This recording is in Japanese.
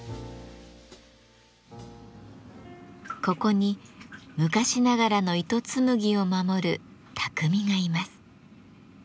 ここに昔ながらの糸紡ぎを守る匠がいます。